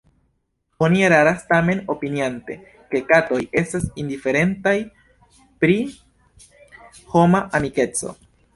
Oni eraras tamen opiniante, ke katoj estas indiferentaj pri homa amikeco.